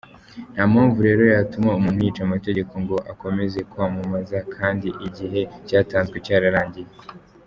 Ntampamvu rero yatuma umuntu yica amategeko ngo akomeze kwamamaza kandi igihe cyatanzwe cyarangiye.